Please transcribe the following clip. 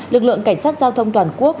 lực lượng cảnh sát giao thông toàn quốc